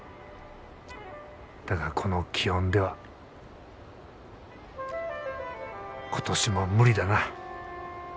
だがこの気温では今年も無理だな。